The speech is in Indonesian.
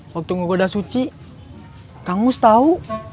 waktu menggoda suci kang mus tahu